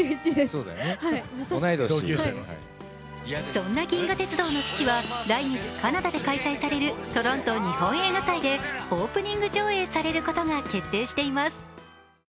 そんな「銀河鉄道の父」は来月カナダで開催されるトロント日本映画祭でオープニング上映されることが決定しています。